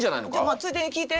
まあついでに聞いて。